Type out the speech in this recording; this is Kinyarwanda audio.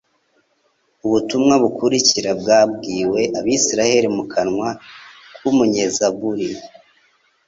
Ubutumwa bukurikira bwabwiwe abisiraeli mu kanwa k'Umunyezabuli